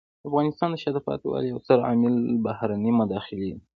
د افغانستان د شاته پاتې والي یو ستر عامل بهرنۍ مداخلې دي.